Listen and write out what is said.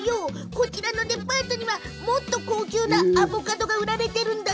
こちらのデパートにはもっと高級なアボカドが売られていたの。